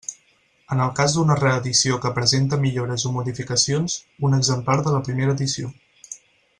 En el cas d'una reedició que presente millores o modificacions, un exemplar de la primera edició.